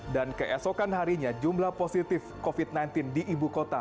dan keesokan harinya jumlah positif covid sembilan belas di ibu kota